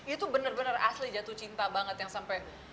itu benar benar asli jatuh cinta banget yang sampai